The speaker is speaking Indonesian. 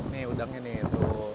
nih udangnya nih tuh